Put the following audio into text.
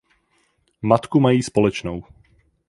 Matku mají společnou.